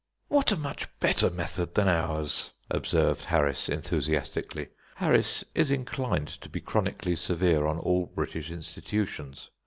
"What a much better method than ours," observed Harris, enthusiastically. Harris is inclined to be chronically severe on all British institutions.